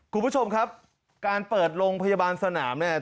คุณผู้ชมครับการเปิดโรงพยาบาลสนามเนี่ย